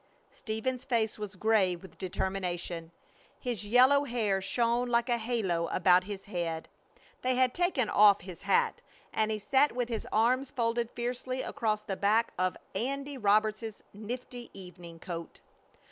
Stephen's face was gray with determination. His yellow hair shone like a halo about his head. They had taken off his hat and he sat with his arms folded fiercely across the back of "Andy" Roberts's nifty evening coat.